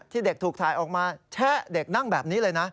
เด็กถูกถ่ายออกมาแชะเด็กนั่งแบบนี้เลยนะ